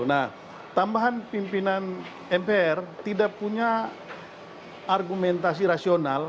nah tambahan pimpinan mpr tidak punya argumentasi rasional